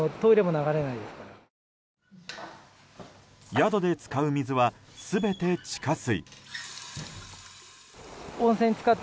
宿で使う水は全て地下水。